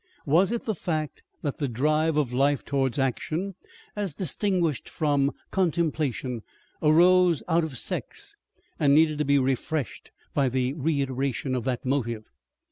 Was it the fact that the drive of life towards action, as distinguished from contemplation, arose out of sex and needed to be refreshed by the reiteration of that motive?